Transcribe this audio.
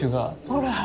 ほら！